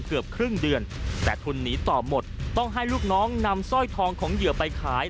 เกือบครึ่งเดือนแต่ทุนหนีต่อหมดต้องให้ลูกน้องนำสร้อยทองของเหยื่อไปขาย